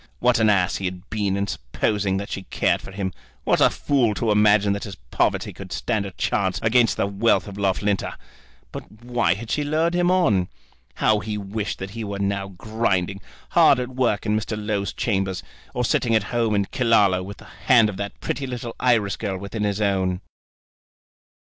What an ass he had been in supposing that she cared for him! What a fool to imagine that his poverty could stand a chance against the wealth of Loughlinter! But why had she lured him on? How he wished that he were now grinding, hard at work in Mr. Low's chambers, or sitting at home at Killaloe with the hand of that pretty little Irish girl within his own!